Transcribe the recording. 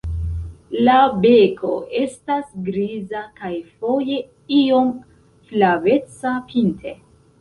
La beko estas griza kaj foje iom flaveca pinte.